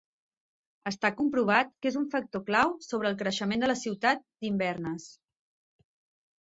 Està comprovat que és un factor clau sobre el creixement de la ciutat d'Inverness.